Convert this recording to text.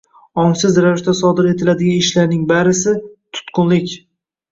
Ongsiz ravishda sodir etiladigan ishlarning barisi – tutqunlik.